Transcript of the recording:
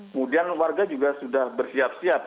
kemudian warga juga sudah bersiap siap